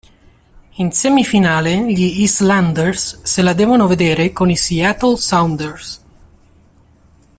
In semifinale gli Islanders se la devono vedere con i Seattle Sounders.